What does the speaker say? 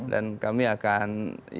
dan kami akan